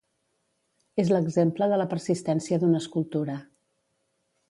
És l'exemple de la persistència d'una escultura.